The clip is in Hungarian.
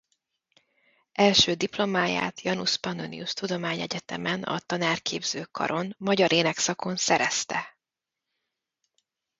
Első diplomáját Janus Pannonius Tudományegyetemen a tanárképző karon magyar-ének szakon szerezte.